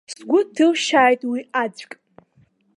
Сгәы ҭылшьааит уи аӡәк.